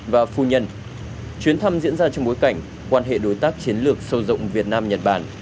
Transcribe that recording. và phu nhân chuyến thăm diễn ra trong bối cảnh quan hệ đối tác chiến lược sâu rộng việt nam nhật bản